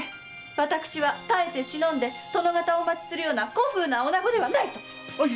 「私は耐えて忍んで殿方をお待ちするような古風な女子ではない」と！